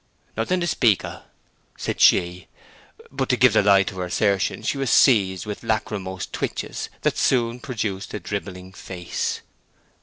"Nothing to speak o'," said she. But to give the lie to her assertion she was seized with lachrymose twitches, that soon produced a dribbling face.